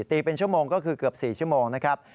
ตีเป็นชั่วโมงก็คือเกือบ๔ชั่วโมงนะครับ